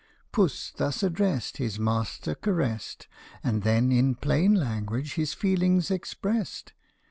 Puss, thus addressed, his master caressed, And then in plain language his feelings expressed.